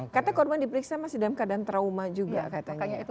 katanya korban diperiksa masih dalam keadaan trauma juga katanya